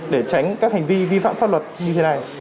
để tránh các hành vi vi phạm pháp luật như thế này